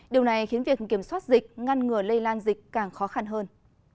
điều này khiến việc kiểm soát dịch ngăn ngừa lây lan dịch càng khó khăn hơn